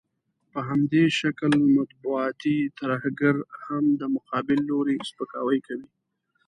په همدې شکل مطبوعاتي ترهګر هم د مقابل لوري سپکاوی کوي.